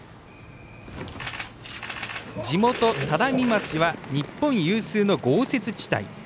地元・只見町は日本有数の豪雪地帯。